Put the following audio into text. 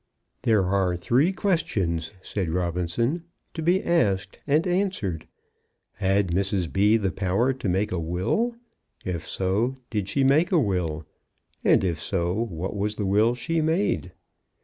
"There are three questions," said Robinson, "to be asked and answered. Had Mrs. B. the power to make a will? If so, did she make a will? And if so, what was the will she made?"